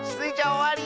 おわり！